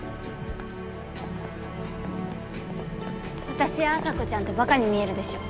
私や麻子ちゃんってばかに見えるでしょ。